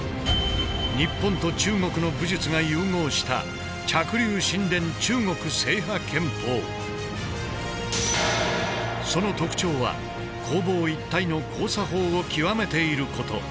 日本と中国の武術が融合したその特徴は攻防一体の交差法を極めていること。